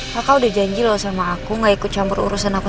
kakak udah janji loh sama aku nggak ikut campur urusan sama mama